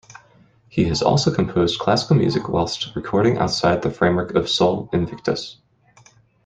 He has also composed classical music whilst recording outside the framework of Sol Invictus.